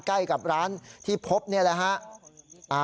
ใกล้กับร้านที่พบนี่แหละฮะ